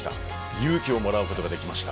勇気をもらうことができました。